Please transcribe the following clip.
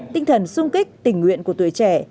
tinh thần sung kích tình nguyện của tuổi trẻ